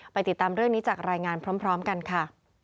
ติดตามเรื่องนี้จากรายงานพร้อมกันค่ะ